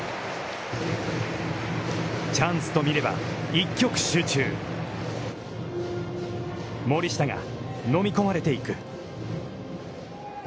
チャンスと見れば、森下が飲み込まれていく。